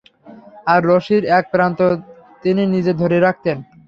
আর রশির এক প্রান্ত তিনি নিজে ধরে রাখতেন।